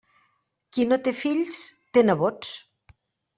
Qui no té fills, té nebots.